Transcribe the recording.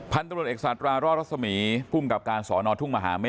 พันธุรกิจสัตว์รอรสมีศ์ภูมิกรรมการสอนทุ่งมหาเมฆ